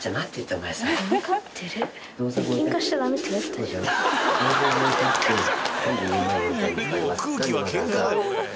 もう空気はケンカだよこれ。